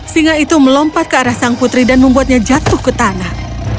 singa itu melompat ke arah sang putri dan membuatnya jatuh ke tanah